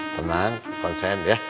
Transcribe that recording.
tenang konsen ya